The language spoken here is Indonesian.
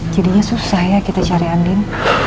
jadinya susah ya kita cari andin